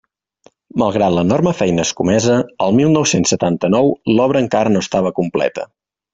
Malgrat l'enorme feina escomesa, el mil nou-cents setanta-nou l'obra encara no estava completa.